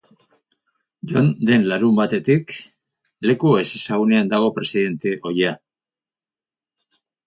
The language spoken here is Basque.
Joan den larunbatetik leku ezezagunean dago presidente ohia.